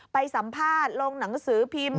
ไปสัมภาษณ์ลงหนังสือพิมพ์